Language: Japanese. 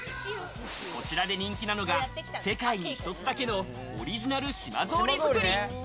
こちらで人気なのが、世界に一つだけのオリジナル島ぞうり作り。